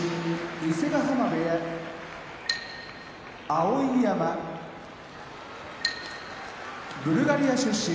伊勢ヶ濱部屋碧山ブルガリア出身春日野部屋